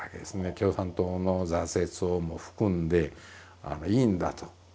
共産党の挫折をも含んでいいんだと。